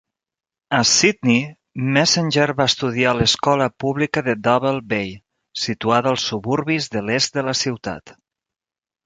A Sydney, Messenger va estudiar a l'escola pública de Double Bay, situada als suburbis de l'est de la ciutat.